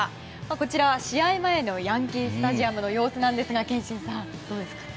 こちら、試合前のヤンキー・スタジアムの様子ですが憲伸さん、どうですか？